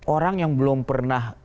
orang yang belum pernah